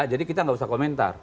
jadi kita gak usah komentar